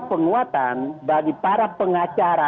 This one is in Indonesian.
penguatan bagi para pengacara